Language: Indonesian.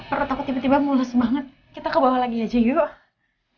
pernah takut tiba tiba mulus banget kita ke bawah lagi aja yuk